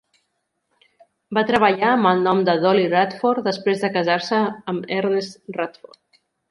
Va treballar amb el nom de "Dollie Radford" després de casar-se amb Ernest Radford.